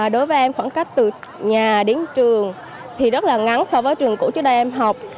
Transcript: đối với em khoảng cách từ nhà đến trường thì rất là ngắn so với trường cũ trước đây em học